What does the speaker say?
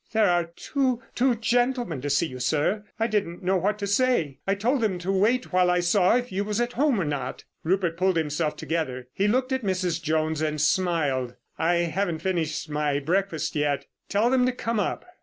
"There are two—two gentlemen to see you, sir. I didn't know what to say. I told them to wait while I saw if you was at home or not." Rupert pulled himself together. He looked at Mrs. Jones and smiled. "I haven't finished my breakfast yet. Tell them to come up."